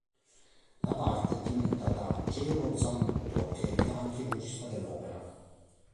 La parte è tenuta da Gero Zambuto, che è anche il regista dell'opera.